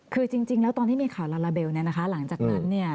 คือจริงแล้วตอนที่มีข่าวลาลาเบลเนี่ยนะคะหลังจากนั้นเนี่ย